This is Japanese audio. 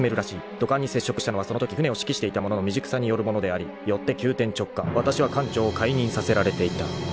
［土管に接触したのはそのとき船を指揮していた者の未熟さによるものでありよって急転直下私は艦長を解任させられていた］